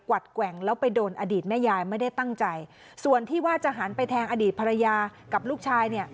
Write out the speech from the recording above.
วัดแกว่งแล้วไปโดนอดีตแม่ยายไม่ได้ตั้งใจส่วนที่ว่าจะหันไปแทงอดีตภรรยากับลูกชายเนี่ย